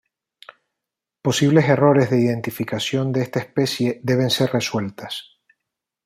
Posibles errores de identificación de esta especie deben ser resueltas.